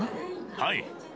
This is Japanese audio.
はい。